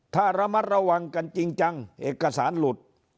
ถ้าระมัดระวังกันจริงจังเอกสารหลุด